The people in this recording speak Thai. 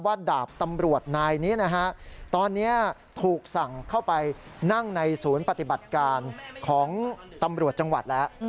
ดาบตำรวจนายนี้นะฮะตอนนี้ถูกสั่งเข้าไปนั่งในศูนย์ปฏิบัติการของตำรวจจังหวัดแล้ว